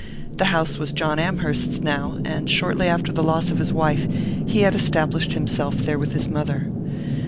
The house was John Amherst's now, and shortly after the loss of his wife he had established himself there with his mother.